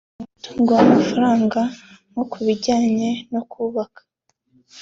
umutungo w amafaranga nko ku bijyanye no kubaka